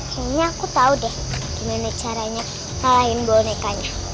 kayaknya aku tahu deh gimana caranya main bonekanya